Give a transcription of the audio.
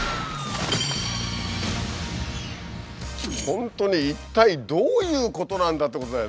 本当に一体どういうことなんだってことだよね。